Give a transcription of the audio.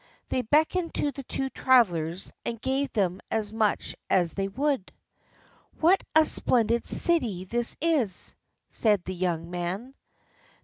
They beckoned to the two travelers and gave them as much as they would. "What a splendid city this is!" said the young man.